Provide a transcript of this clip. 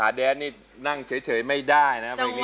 อันนี้ยังไงไหม